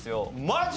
マジ？